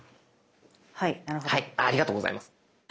ありがとうございます。